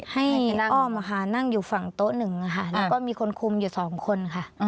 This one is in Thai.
ให้น้องอ้อมนั่งอยู่ฝั่งโต๊ะหนึ่งแล้วก็มีคนคุมอยู่สองคนค่ะ